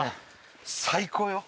最高よ！